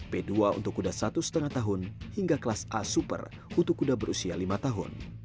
p dua untuk kuda satu lima tahun hingga kelas a super untuk kuda berusia lima tahun